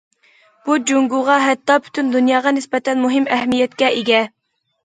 بۇ، جۇڭگوغا، ھەتتا پۈتۈن دۇنياغا نىسبەتەن مۇھىم ئەھمىيەتكە ئىگە.